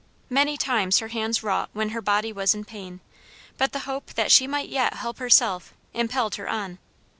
Many times her hands wrought when her body was in pain; but the hope that she might yet help herself, impelled her on.